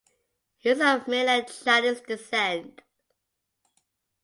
He is of Mainland Chinese descent.